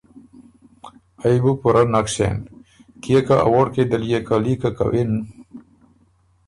ائ بُو پُورۀ نک سېن کيې که ا ووړکئ دل يې که لیکه کوِن